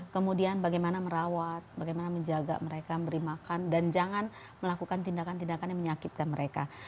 kemudian bagaimana merawat bagaimana menjaga mereka memberi makan dan jangan melakukan tindakan tindakan yang menyakitkan mereka